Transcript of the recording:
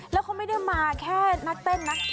แล้วเขาไม่ได้มาแค่นักเต้นนะ